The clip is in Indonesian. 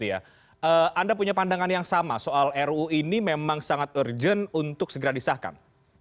anda punya pandangan yang sama soal ruu ini memang sangat urgent untuk segera disahkan